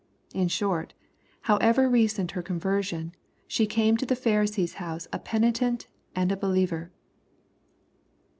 In short, however recent her conversion, she camb to the Pharisee's house a penitent and a believer.